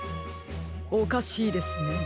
おかしいですね。